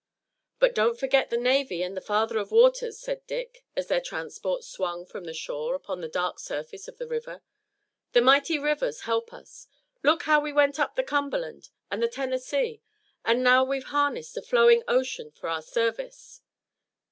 "But don't forget the navy and the Father of Waters," said Dick, as their transports swung from the shore upon the dark surface of the river. "The mighty rivers help us. Look how we went up the Cumberland and the Tennessee and now we've harnessed a flowing ocean for our service."